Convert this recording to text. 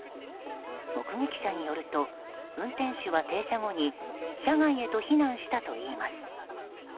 目撃者によると、運転手は停車後に車外へと避難したといいます。